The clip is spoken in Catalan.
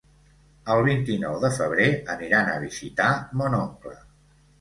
El vint-i-nou de febrer aniran a visitar mon oncle.